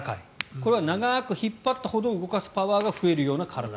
これは長く引っ張ったほど動かすパワーが増える体。